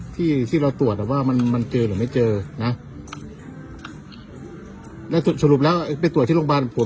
ที่ที่เราตรวจอ่ะว่ามันมันเจอหรือไม่เจอนะแล้วสรุปแล้วไปตรวจที่โรงพยาบาลผม